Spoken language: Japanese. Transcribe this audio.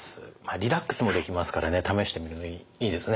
リラックスもできますからね試してみるのもいいですね。